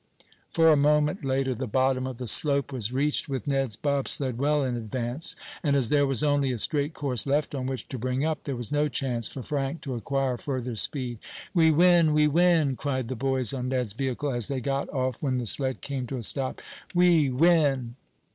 For a moment later the bottom of the slope was reached with Ned's bobsled well in advance, and as there was only a straight course left on which to bring up, there was no chance for Frank to acquire further speed. "We win! We win!" cried the boys on Ned's vehicle, as they got off when the sled came to a stop. "We win!"